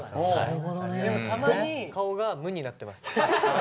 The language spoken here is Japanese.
でもたまに顔が無になってます。